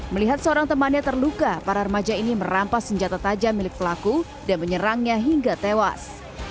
melihat seorang temannya terluka para remaja ini merampas senjata tajam milik pelaku dan menyerangnya hingga tewas